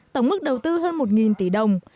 tổng mức đầu tư hơn một tỷ đồng